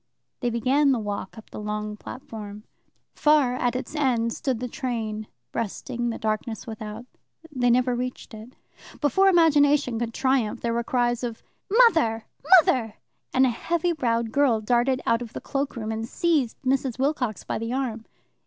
They began the walk up the long platform. Far at its end stood the train, breasting the darkness without. They never reached it. Before imagination could triumph, there were cries of "Mother! Mother!" and a heavy browed girl darted out of the cloak room and seized Mrs. Wilcox by the arm.